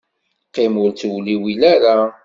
Qqim, ur ttewliwil ara.